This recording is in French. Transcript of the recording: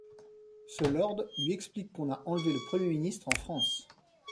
Ce lord lui explique qu'on a enlevé le Premier ministre en France.